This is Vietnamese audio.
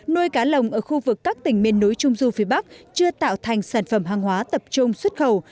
nuôi cá lồng ở khu vực các tỉnh miền núi trung du phía bắc chưa tạo thành sản phẩm hàng hóa tập trung xuất khẩu